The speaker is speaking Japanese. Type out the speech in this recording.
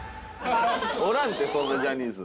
おらんてそんなジャニーズ。